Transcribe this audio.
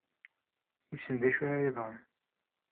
Wissen d acu ara yeḍrun.